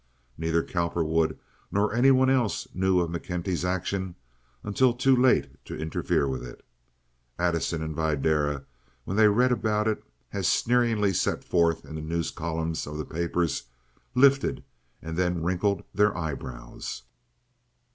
Neither Cowperwood nor any one else knew of McKenty's action until too late to interfere with it. Addison and Videra, when they read about it as sneeringly set forth in the news columns of the papers, lifted and then wrinkled their eyebrows.